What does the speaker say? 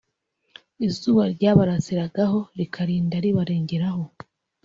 izuba ryabarasiragaho rikarinda ribarengeraho